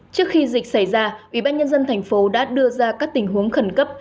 trước khi dịch xảy ra ủy ban nhân dân thành phố đã đưa ra các tình huống khẩn cấp